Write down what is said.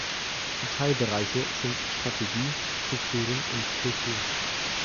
Die Teilbereiche sind Strategie, Strukturen und Kultur.